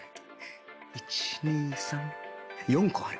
１２３４個ある